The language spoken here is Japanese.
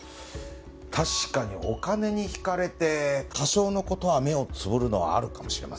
確かにお金に惹かれて多少の事は目をつぶるのはあるかもしれませんね。